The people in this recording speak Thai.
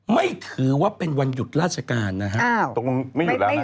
ไม่ถือว่าเป็นวันหยุดราชการนะฮะ